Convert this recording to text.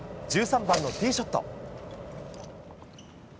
１３番のティーショット。